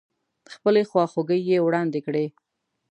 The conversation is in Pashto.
خپلې خواخوږۍ يې واړندې کړې.